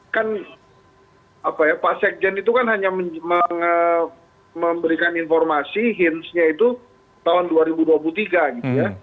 kan apa ya pak sekjen itu kan hanya memberikan informasi hintsnya itu tahun dua ribu dua puluh tiga gitu ya